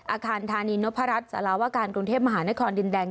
อาคารธานีนพรัชสารวการกรุงเทพมหานครดินแดง